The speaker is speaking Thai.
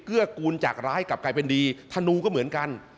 กูลจากร้ายกลับกลายเป็นดีธนูก็เหมือนกัน